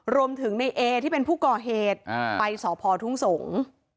รวมถึงในเอที่เป็นผู้ก่อเหตุไปสพทุ่งสงศ์